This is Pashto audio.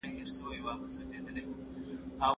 مثالونه په دقت واورئ.